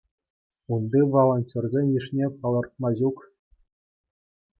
Унти волонтерсен йышне палӑртма ҫук.